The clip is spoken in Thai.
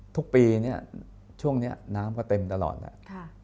ทุกปีเนี่ยช่วงนี้น้ำก็เต็มตลอดแล้ว